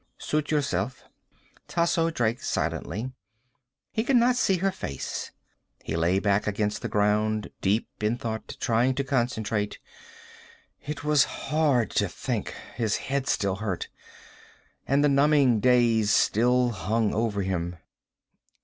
"Suit yourself." Tasso drank silently. He could not see her face. He lay back against the ground, deep in thought, trying to concentrate. It was hard to think. His head still hurt. And the numbing daze still hung over him.